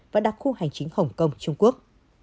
và đặc khu hành chính hồng kông trung quốc